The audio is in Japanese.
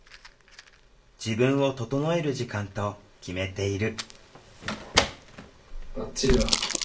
自分を整える時間と決めている。